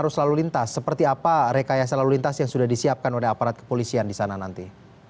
arus lalu lintas seperti apa rekayasa lalu lintas yang sudah disiapkan oleh aparat kepolisian di sana nanti